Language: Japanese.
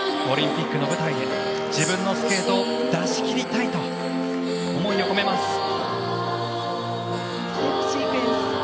オリンピックの舞台で自分のスケートを出し切りたいと思いを込めます。